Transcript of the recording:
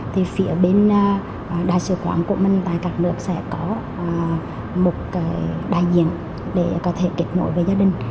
thì phía bên đại sứ quán của mình tại các nước sẽ có một đại diện để có thể kết nối với gia đình